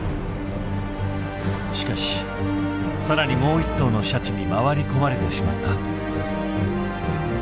しかし更にもう一頭のシャチに回り込まれてしまった。